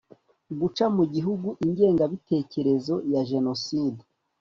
guca mu gihugu ingengabiterezo ya jenoside